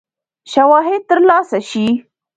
شواهد تر لاسه شي.